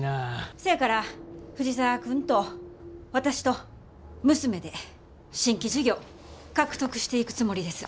せやから藤沢君と私と娘で新規事業獲得していくつもりです。